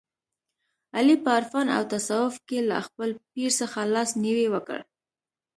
علي په عرفان او تصوف کې له خپل پیر څخه لاس نیوی وکړ.